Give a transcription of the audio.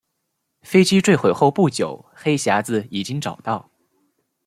飞机坠毁后不久黑匣子已经找到。